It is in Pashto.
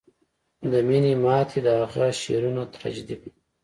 د مینې ماتې د هغه شعرونه تراژیدي کړل